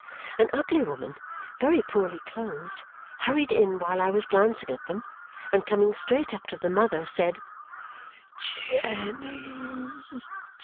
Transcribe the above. An ugly woman, very poorly clothed, hurried in while I was glancing at them, and coming straight up to the mother, said, "Jenny!